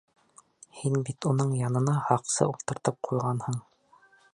Һин бит уның янына һаҡсы ултыртып ҡуйғанһың.